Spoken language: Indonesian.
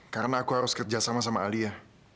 karena aku harus kerjasama sama mbak alia